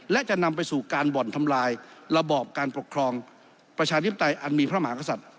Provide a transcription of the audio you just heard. และจะนำไปสู่การบ่อนทำลายระบอบการปกครองประชาธิปไตยอันมีพระมหากษัตริย์